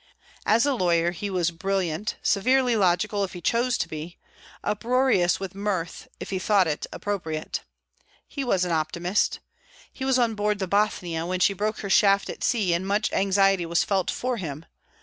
As a lawyer he was brilliant, severely logical, if he chose to be, uproarious with mirth if he thought it appropriate. He was an optimist. He was on board the "Bothnia" when she broke her shaft at sea, and much anxiety was felt for him.